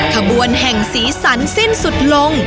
ขบวนแห่งสีสันสิ้นสุดลง